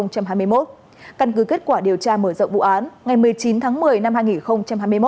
căn cứ kết quả điều tra mở rộng vụ án ngày một mươi chín tháng một mươi năm hai nghìn hai mươi một